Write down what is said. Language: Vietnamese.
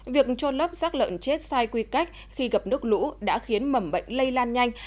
việc cho lớp rác lợn chết sai quy cách khi gặp nước lũ đã khiến mẩm bệnh lây lan nhanh